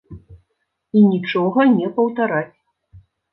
І нічога не паўтараць.